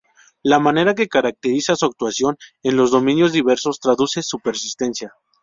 La manera que caracteriza su actuación en los dominios diversos traduce su persistencia.